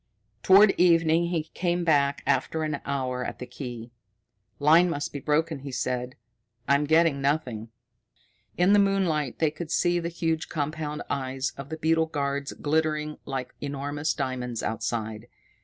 Toward evening he came back after an hour at the key. "Line must be broken," he said. "I'm getting nothing." In the moonlight they could see the huge compound eyes of the beetle guards glittering like enormous diamonds outside.